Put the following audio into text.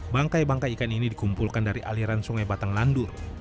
bangkai bangkai ikan ini dikumpulkan dari aliran sungai batang landur